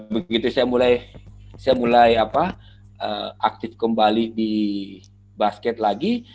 begitu saya mulai saya mulai apa aktif kembali di basket lagi